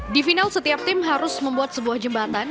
di final setiap tim harus membuat sebuah jembatan